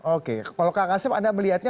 oke kalau kak kasem anda melihatnya